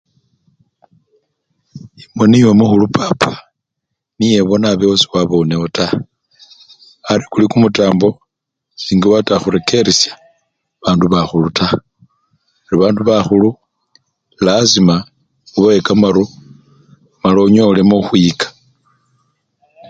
Imoni yomukhulu papa niye ebona aba ewe sewabonewo taa, ari kuba kumutambo singa wala khurekeresya bandu bakhulu taa, bandu bakhulu lasima obawe kamaru mala onyolemo khukhwiyika.